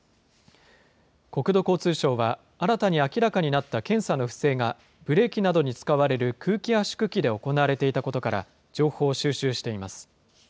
国土交通省は、新たに明らかになった検査の不正が、ブレーキなどに使われる空気圧縮機で行われていたことから、情報を収集しています。